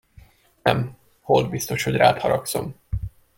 Nem, holtbiztos, hogy rád haragszom.